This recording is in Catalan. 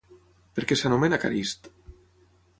Per què s'anomena Carist?